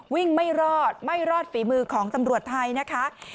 ไม่รอดไม่รอดฝีมือของตำรวจไทยนะคะ